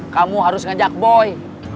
kamu harus ngajak boy